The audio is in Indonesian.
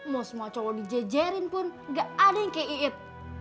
mau semua cowok dijejerin pun gak ada yang kayak iit